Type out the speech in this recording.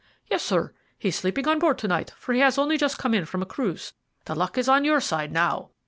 "Yes, sir; he's sleeping on board to night, for he has only just come in from a cruise. The luck is on your side now."